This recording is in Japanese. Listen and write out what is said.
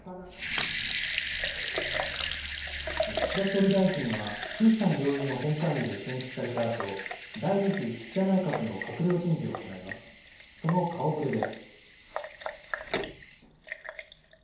岸田総理大臣は、衆参両院の本会議で選出されたあと、第２次岸田内閣の閣僚人事を行います。